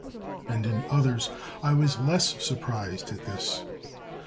And in others I was less surprised at this.